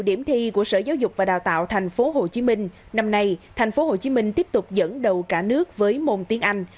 trong các thi của sở giáo dục và đào tạo thành phố hồ chí minh năm nay thành phố hồ chí minh tiếp tục dẫn đầu cả nước với môn tiếng anh